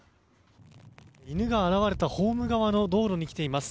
犬が現れたホーム側の道路に来ています。